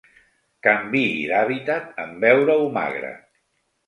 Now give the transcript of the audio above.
Canviï d'hàbitat en veure-ho magre.